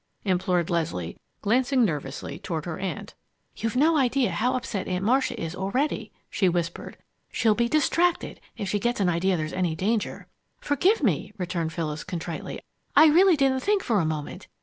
implored Leslie, glancing nervously toward her aunt. "You've no idea how upset Aunt Marcia is already," she whispered. "She'll be distracted if she gets an idea there's any danger." "Forgive me!" returned Phyllis, contritely. "I really didn't think, for a moment.